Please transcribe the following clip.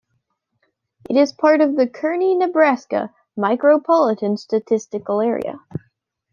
It is part of the Kearney, Nebraska Micropolitan Statistical Area.